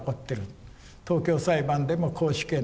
東京裁判でも絞首刑になった。